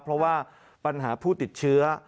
เพราะว่าปัญหาผู้ติดเชื้อ